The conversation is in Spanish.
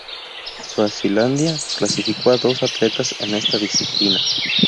Suazilandia clasificó a dos atletas en esta disciplina.